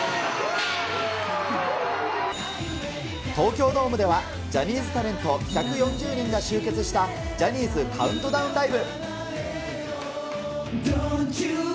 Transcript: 東京ドームでは、ジャニーズタレント１４０人が集結したジャニーズカウントダウンライブ。